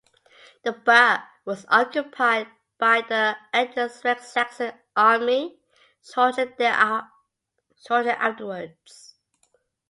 The burh was occupied by the Edward's West Saxon army shortly afterwards.